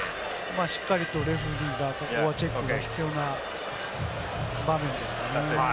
しっかりとレフェリーがここはチェックが必要な場面ですかね。